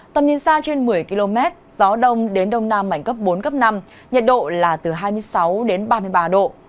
tầm nhìn xa trên một mươi km gió đông đến đông nam mạnh cấp bốn cấp năm nhiệt độ là từ hai mươi sáu ba mươi ba độ